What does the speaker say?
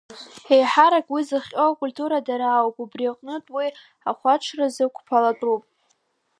Еиҳарак уи зыхҟьо акультурадара ауп, убри аҟнытә уи ахәаҽразы қәԥалатәуп.